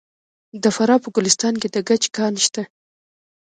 د فراه په ګلستان کې د ګچ کان شته.